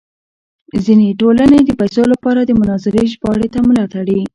ځینې ټولنې د پیسو لپاره د مناظرې ژباړې ته ملا تړي.